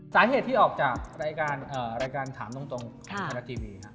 สาเหตุที่ออกจากรายการถามตรงธนาทีวีค่ะ